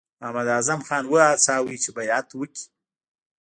محمداعظم خان وهڅاوه چې بیعت وکړي.